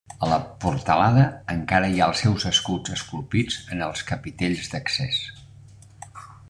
A la portalada encara hi ha els seus escuts esculpits en els capitells d'accés.